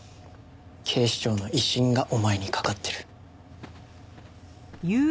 警視庁の威信がお前にかかってる。